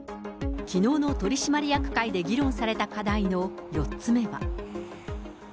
きのうの取締役会で議論された課題の４つ目は。